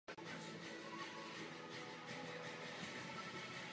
Je tu však Goldstonova zpráva.